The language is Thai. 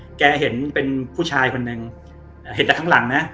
แกเห็นเป็นผู้ชายคนหนึ่งเห็นแต่ข้างหลังนะ